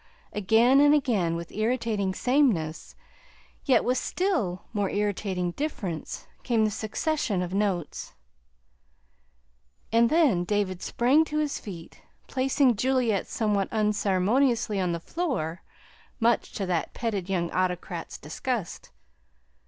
Again and again with irritating sameness, yet with a still more irritating difference, came the succession of notes. And then David sprang to his feet, placing Juliette somewhat unceremoniously on the floor, much to that petted young autocrat's disgust.